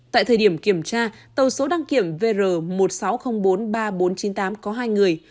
tại thời điểm kiểm tra tàu số đăng kiểm vr một sáu không bốn ba bốn chín tám có hai người